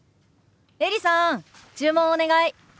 エリさん注文お願い。